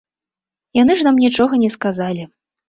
Яны ж нам нічога не сказалі.